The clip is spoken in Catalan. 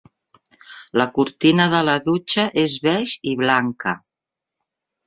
La cortina de la dutxa és beix i blanca.